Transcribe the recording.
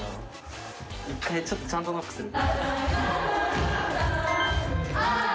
１回ちょっとちゃんとノックする？